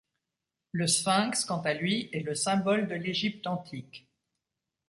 Le Sphinx, quant à lui est le symbole de l’Égypte antique.